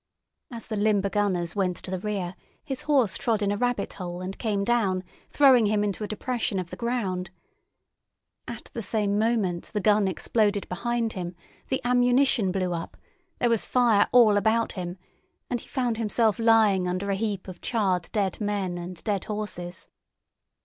As the limber gunners went to the rear, his horse trod in a rabbit hole and came down, throwing him into a depression of the ground. At the same moment the gun exploded behind him, the ammunition blew up, there was fire all about him, and he found himself lying under a heap of charred dead men and dead horses.